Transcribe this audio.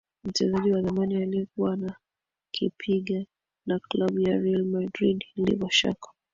mchezaji wa zamani aliyekuwa anakipiga na klabu ya real madrid livo shako